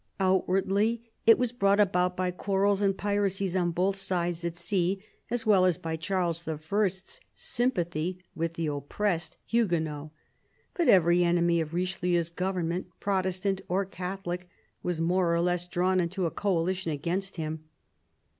Outwardly, it was brought about by quarrels and piracies on both sides at sea, as well as by Charles I.'s sympathy with the oppressed Huguenots ; but every enemy of Richelieu's government, Protestant or Catholic, was more or less drawn into a coalition against him.